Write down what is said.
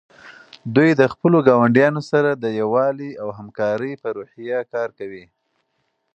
دوی د خپلو ګاونډیانو سره د یووالي او همکارۍ په روحیه کار کوي.